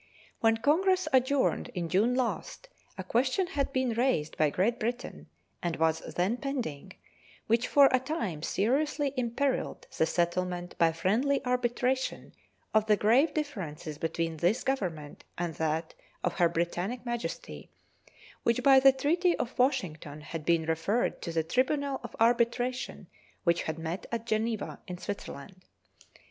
When Congress adjourned in June last, a question had been raised by Great Britain, and was then pending, which for a time seriously imperiled the settlement by friendly arbitration of the grave differences between this Government and that of Her Britannic Majesty, which by the treaty of Washington had been referred to the tribunal of arbitration which had met at Geneva, in Switzerland.